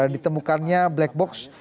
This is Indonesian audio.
ditemukannya black box